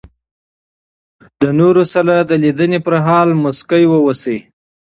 د نور سره د لیدني پر مهال مسکی واوسئ.